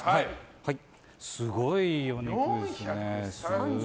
すごいいいお肉ですね。